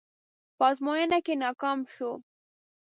په ازموينه کې ناکام شوم.